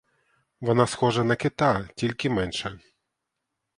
Вона схожа на кита, тільки менша.